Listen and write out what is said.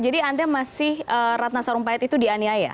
jadi anda masih ratna sarumpahit itu dianiaya